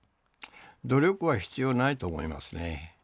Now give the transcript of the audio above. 努力は必要ないと思いますね。